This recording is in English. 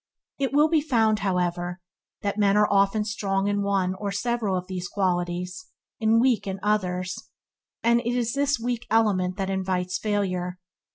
It will be found, however, that men are often strong in one or several of these qualities, and weak in others, and it is this weak element that invites failure.